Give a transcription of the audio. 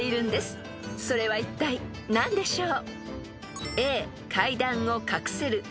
［それはいったい何でしょう？］